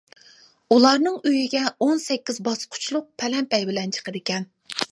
ئۇلارنىڭ ئۆيىگە ئون سەككىز باسقۇچلۇق پەلەمپەي بىلەن چىقىدىكەن.